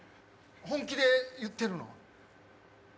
本気で言ってるの？